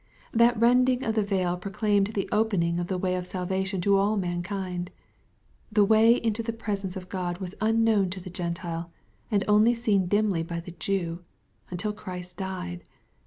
That rending of the veil proclaimed the opening of the way of salvation to all mankind. The way into the pres ence of God was unknown to the Gentile, and only seen dimly by the Jew, until Christ died.